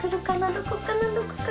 どこかなどこかな？